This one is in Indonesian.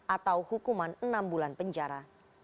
atau hukuman enam bulan penjara